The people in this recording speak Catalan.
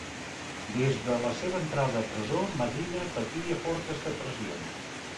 Des de la seva entrada a presó Medina patia fortes depressions.